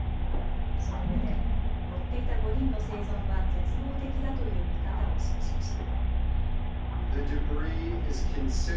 そのうえで乗っていた５人の生存は絶望的だという見方を示しました。